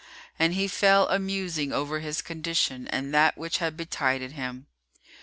And he fell amusing over his condition and that which had betided him.